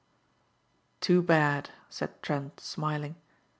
"Too bad," said Trent, smiling.